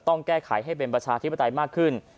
ต้องแก้ไขให้เป็นประชาธิปไตยมากขึ้น